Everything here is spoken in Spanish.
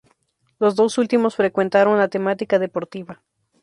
Los dos últimos frecuentaron la temática deportiva.